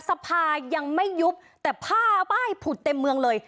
สภายังไม่ยุบแต่ผ้าใบผุดเต็มเมืองเลย